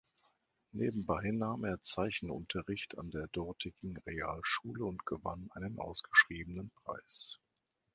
Nebenbei nahm er Zeichenunterricht an der dortigen Realschule und gewann einen ausgeschriebenen Preis.